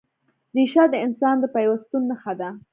ریښه د انسان د پیوستون نښه ده.